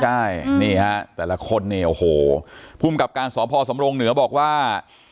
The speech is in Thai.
ใช่นี่ฮะแต่ละคนเนี่ยโอ้โหภูมิกับการสพสำรงเหนือบอกว่า